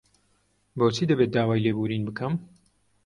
بۆچی دەبێت داوای لێبوورین بکەم؟